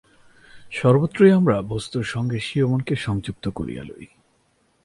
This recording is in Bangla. সর্বত্রই আমরা বস্তুর সঙ্গে স্বীয় মনকে সংযুক্ত করিয়া লই।